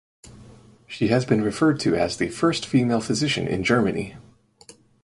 She has been referred to as the first female physician in Germany.